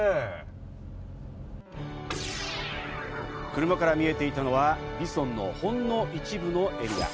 車から見えていたのは、ＶＩＳＯＮのほんの一部のエリア。